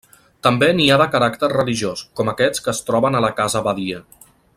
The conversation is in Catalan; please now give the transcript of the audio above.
També n'hi ha de caràcter religiós, com aquests que es troben a la Casa Abadia.